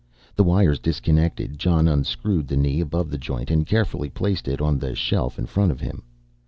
The wires disconnected, Jon unscrewed the knee above the joint and carefully placed it on the shelf in front of him.